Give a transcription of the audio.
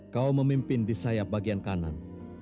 kau memimpin di sayap bagian kanan